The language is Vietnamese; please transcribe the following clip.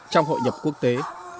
trong hội nhập quốc tế